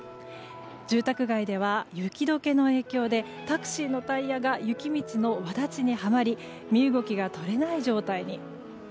住宅街では雪解けの影響でタクシーのタイヤが雪道のわだちにはまり身動きが取れない状態に。